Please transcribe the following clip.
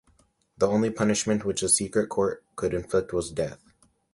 The only punishment which the secret court could inflict was death.